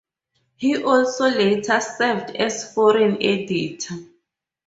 He also later served as foreign editor.